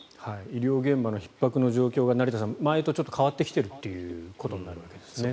医療現場のひっ迫の状況が前とちょっと変わってきているということになるわけですね